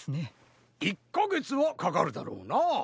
１かげつはかかるだろうなあ。